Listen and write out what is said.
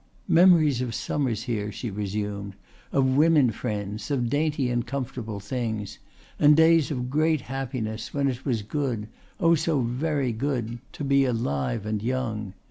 "Memories of summers here," she resumed, "of women friends, of dainty and comfortable things, and days of great happiness when it was good oh so very good! to be alive and young.